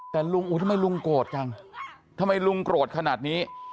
แต่ลุงอุ๊ยทำไมลุงโกรธจังทำไมลุงโกรธขนาดนี้